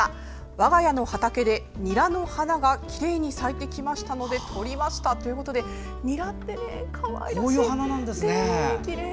我が家の畑でニラの花がきれいに咲いてきましたので撮りましたということでニラってかわいらしい。